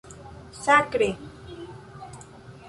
Sakre!